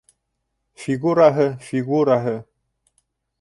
Фигураһы, фигураһы